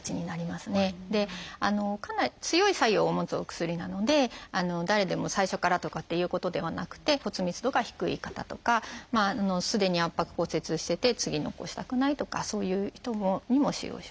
かなり強い作用を持つお薬なので誰でも最初からとかっていうことではなくて骨密度が低い方とかすでに圧迫骨折してて次に起こしたくないとかそういう人にも使用します。